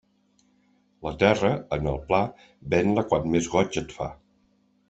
La terra, en el pla, ven-la quan més goig et fa.